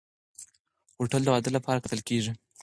هوټل د واده لپاره کتل کېږي.